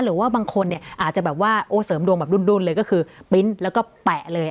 หรือว่าบางคนเนี่ยอาจจะแบบว่าโอ้เสริมดวงแบบรุ่นเลยก็คือปริ้นต์แล้วก็แปะเลย